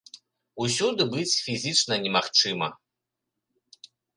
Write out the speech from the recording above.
Усюды быць фізічна немагчыма.